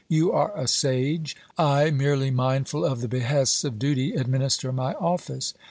You are a sage; I, merely mindful of the behests of duty, administer my office.